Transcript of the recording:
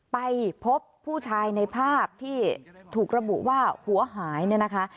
ไปพบผู้ชายในภาพที่ถูกระบุว่าหัวหายเนี่ยนะคะ